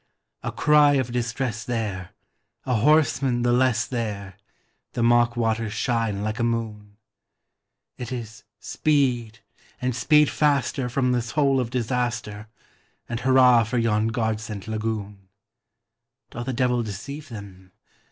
A cry of distress there! a horseman the less there! The mock waters shine like a moon! It is "Speed, and speed faster from this hole of disaster! And hurrah for yon God sent lagoon!" Doth a devil deceive them?